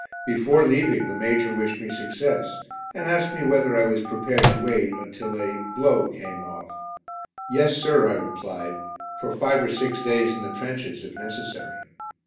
Before leaving, the Major wished me success, and asked me whether I was prepared to wait until a "blow" came off? "Yes, sir," I replied, "for five or six days in the trenches, if necessary."